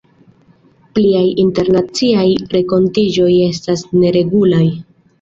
Pliaj internaciaj renkontiĝoj estas neregulaj.